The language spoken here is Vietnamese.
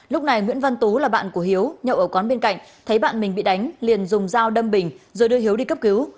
lúc này nguyễn văn tú là bạn của hiếu nhậu ở quán bên cạnh thấy bạn mình bị đánh liền dùng dao đâm bình rồi đưa hiếu đi cấp cứu